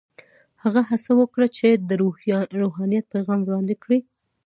هغه هڅه وکړه چې د روحانیت پیغام وړاندې کړي.